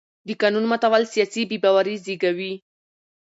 د قانون ماتول سیاسي بې باوري زېږوي